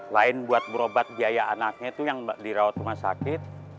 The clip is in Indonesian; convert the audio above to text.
lain buat berobat biaya anaknya itu yang dirawat rumah sakit